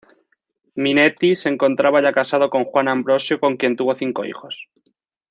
Minetti se encontraba ya casado con Juana Ambrosio, con quien tuvo cinco hijos.